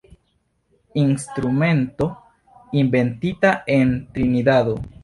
Instrumento inventita en Trinidado.